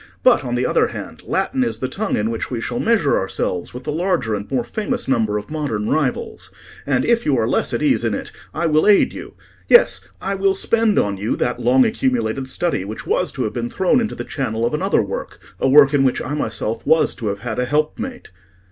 But, on the other hand, Latin is the tongue in which we shall measure ourselves with the larger and more famous number of modern rivals. And if you are less at ease in it, I will aid you—yes, I will spend on you that long accumulated study which was to have been thrown into the channel of another work—a work in which I myself was to have had a helpmate."